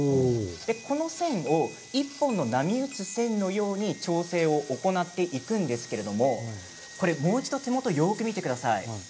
この線を１本の波打つ線のように調整を行っていくんですけれどももう一度手元をよく見てください。